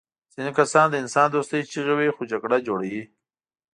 ځینې کسان د انسان دوستۍ چیغې وهي خو جګړه جوړوي